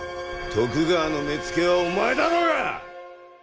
徳川の目付けはお前だろうが！